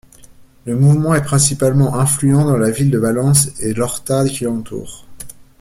Le mouvement est principalement influent dans la ville de Valence et l'Horta qui l'entoure.